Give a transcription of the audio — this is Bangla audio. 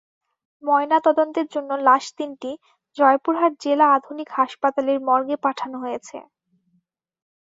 ময়না তদন্তের জন্য লাশ তিনটি জয়পুরহাট জেলা আধুনিক হাসপাতালের মর্গে পাঠানো হয়েছে।